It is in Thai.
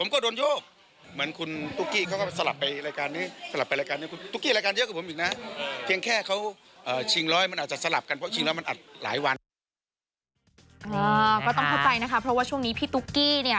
ก็ต้องเข้าใจนะคะเพราะว่าช่วงนี้พี่ตุ๊กกี้เนี่ย